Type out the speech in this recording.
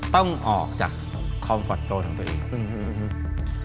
ต้องออกจากคอมฟอร์ตโซนของตัวเองอืม